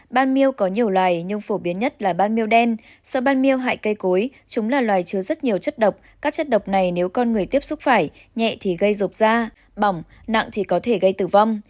ban miêu có nhiều loài nhưng phổ biến nhất là ban miêu đen sau ban miêu hại cây cối chúng là loài chứa rất nhiều chất độc các chất độc này nếu con người tiếp xúc phải nhẹ thì gây rộp da bỏng nặng thì có thể gây tử vong